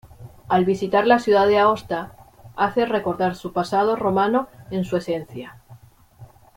Al visitar la ciudad de Aosta, hace recordar su pasado romano en su esencia.